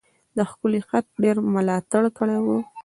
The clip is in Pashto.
د ښکلی خط ډیر ملاتړ کړی و.